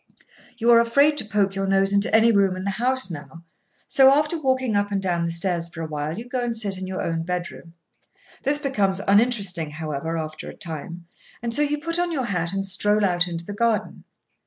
You are afraid to poke your nose into any room in the house now; so, after walking up and down the stairs for a while, you go and sit in your own bedroom. This becomes uninteresting, however, after a time, and so you put on your hat and stroll out into the garden.